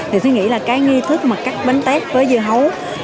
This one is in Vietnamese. thì tôi nghĩ là cái nghi thức mà cắt bánh tết với dưa hấu